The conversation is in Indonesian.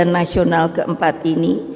kerja nasional keempat ini